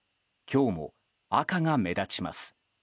今日も赤が目立ちます。